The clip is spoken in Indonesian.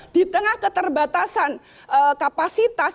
di tengah keterbatasan kapasitas